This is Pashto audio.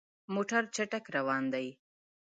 موټر چټک روان دی.